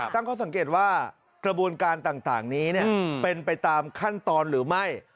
ตั้งข้อสังเกตว่ากระบวนการต่างนี้เป็นไปตามขั้นตอนหรือไม่